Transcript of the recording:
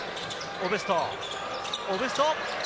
オブスト。